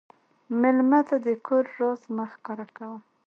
مېلمه ته د کور راز مه ښکاره کوه.